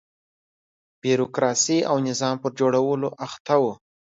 بیروکراسۍ او نظام پر جوړولو اخته و.